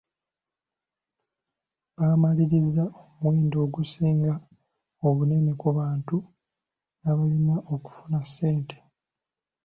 Bamalirizza omuwendo ogusinga obunene ku bantu abalina okufuna ssente.